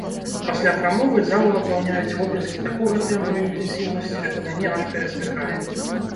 Пасля прамовы залу напаўняюць воплескі такога тэмбру і інтэнсіўнасці, што мяне аж перасмыкае.